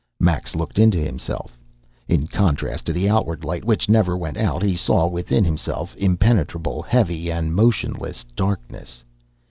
Max looked into himself. In contrast to the outward light which never went out he saw within himself impenetrable, heavy, and motionless darkness.